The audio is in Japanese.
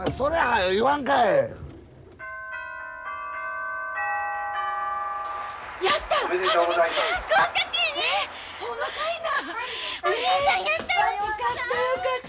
よかったよかった。